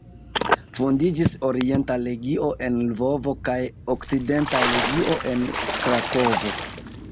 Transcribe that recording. Fondiĝis Orienta Legio en Lvovo kaj Okcidenta Legio en Krakovo.